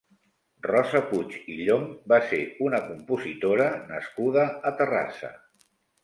Rosa Puig i Llonch va ser una compositora nascuda a Terrassa.